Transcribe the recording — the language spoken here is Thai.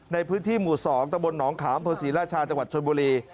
ในพื้นที่หมู่๒ตะบนหนองขามเภอศรีราชาจังหวัดชนบุรี